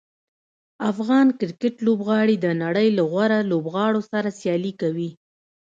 افغان کرکټ لوبغاړي د نړۍ له غوره لوبغاړو سره سیالي کوي.